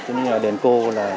cũng như đền cô